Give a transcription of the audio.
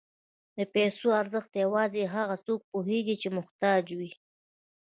د پیسو ارزښت یوازې هغه څوک پوهېږي چې محتاج وي.